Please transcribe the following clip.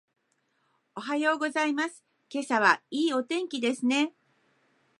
おはようございます。今朝はいいお天気ですね。